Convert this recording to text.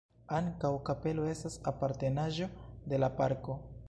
Ankaŭ kapelo estas apartenaĵo de la parko.